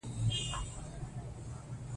د ده قلم لا هم روان دی.